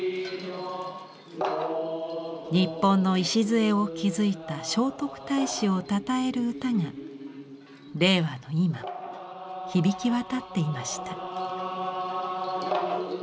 日本の礎を築いた聖徳太子をたたえる歌が令和の今も響き渡っていました。